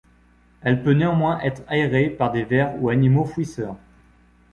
Elle peut néanmoins être aérée par des vers ou animaux fouisseurs.